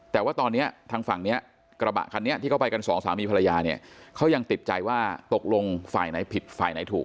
แต่ว่าตอนนี้ทางฝั่งนี้กระบะคันนี้ที่เขาไปกันสองสามีภรรยาเนี่ยเขายังติดใจว่าตกลงฝ่ายไหนผิดฝ่ายไหนถูก